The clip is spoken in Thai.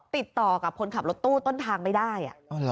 ติดต่อกับคนขับรถตู้ต้นทางไม่ได้